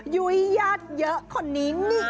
ยุยยัดเยอะคนนี้นี่เอง